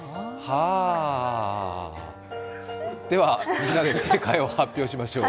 では、みんなで正解を発表しましょう。